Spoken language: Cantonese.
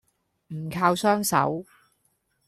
唔靠雙手